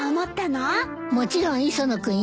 もちろん磯野君よ。